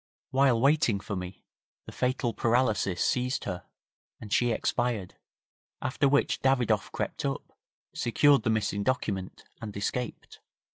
While waiting for me the fatal paralysis seized her, and she expired, after which Davidoff crept up, secured the missing document and escaped.